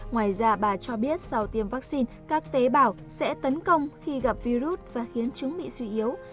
ngoài ra bà cho biết sau tiêm vaccine các tế bào sẽ tấn công khi gặp virus và khiến chúng bị suy yếu